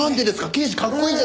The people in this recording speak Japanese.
刑事かっこいいじゃ。